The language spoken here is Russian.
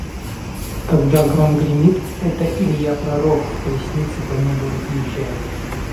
Когда гром гремит, это Илья-пророк в колеснице по небу разъезжает.